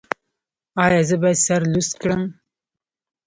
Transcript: ایا زه باید سر لوڅ کړم؟